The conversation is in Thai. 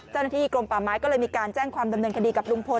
เจ้าหน้าที่กรมป่าไม้ก็เลยมีการแจ้งความดำเนินคดีกับลุงพล